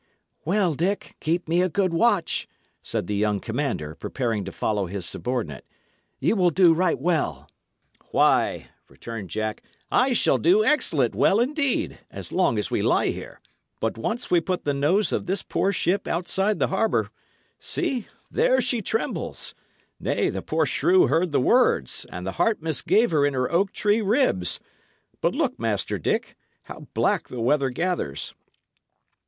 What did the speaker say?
"Well, Jack, keep me a good watch," said the young commander, preparing to follow his subordinate. "Ye will do right well." "Why," returned Jack, "I shall do excellent well indeed, so long as we lie here; but once we put the nose of this poor ship outside the harbour See, there she trembles! Nay, the poor shrew heard the words, and the heart misgave her in her oak tree ribs. But look, Master Dick! how black the weather gathers!"